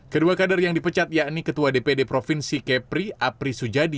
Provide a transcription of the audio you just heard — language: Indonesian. kedua kader yang dipecat yakni ketua dpd provinsi kepri apri sujadi